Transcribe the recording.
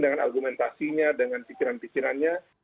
dengan argumentasinya dengan pikiran pikirannya